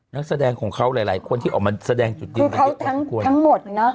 นักแสดงของเขาหลายหลายคนที่ออกมาแสดงจุดดีคือเขาทั้งทั้งหมดน่ะ